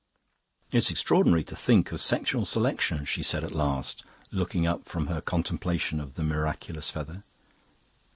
"It's extraordinary to think of sexual selection," she said at last, looking up from her contemplation of the miraculous feather.